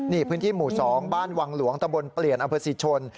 นี่พื้นที่หมู่๒บ้านวังหลวงตะบนเปลี่ยนอำเภอศรีชน